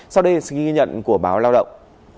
sau đây xin ghi nhận của báo lao động